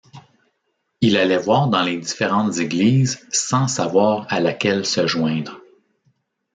Il allait voir dans les différentes églises sans savoir à laquelle se joindre.